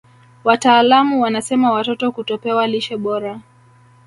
wataalamu wanasema watoto kutopewa lishe bora